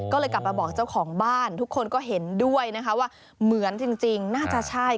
ก็เลยกลับมาบอกเจ้าของบ้านทุกคนก็เห็นด้วยนะคะว่าเหมือนจริงน่าจะใช่